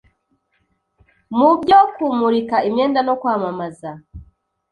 mu byo kumurika imyenda no kwamamaza.